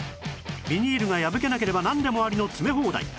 ビニールが破けなければなんでもありの詰め放題